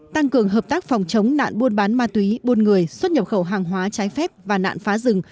tăng cường hợp tác phòng chống nạn buôn bán ma túy buôn người xuất nhập khẩu hàng hóa trái phép và nạn phá rừng